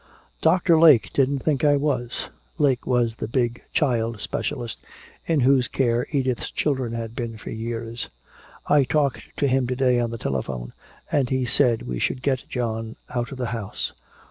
"Doctor Lake didn't think I was." Lake was the big child specialist in whose care Edith's children had been for years. "I talked to him to day on the telephone, and he said we should get John out of the house."